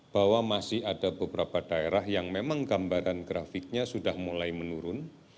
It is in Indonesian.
bahwa masih ada beberapa daerah yang memang gambaran grafiknya sudah mulai menurun